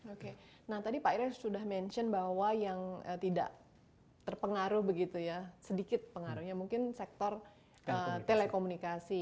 oke nah tadi pak irya sudah mention bahwa yang tidak terpengaruh begitu ya sedikit pengaruhnya mungkin sektor telekomunikasi